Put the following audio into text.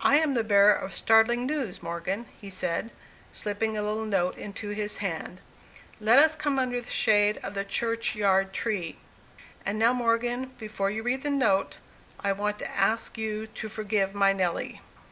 "I am the bearer of startling news, Morgan," he said, slipping a little note into his hand. "Let us come under the shade of the churchyard trees. And now, Morgan, before you read the note, I want to ask you to forgive my Nelly."